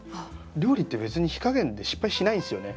料理って別に火加減で失敗しないんすよね。